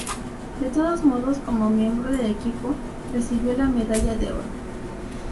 De todos modos como miembro del equipo, recibió la medalla de oro.